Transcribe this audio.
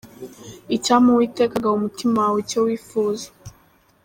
Icyampa Uwiteka agaha umutima wawe icyo wifuza.